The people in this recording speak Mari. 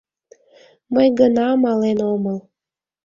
Мый гына мален омыл.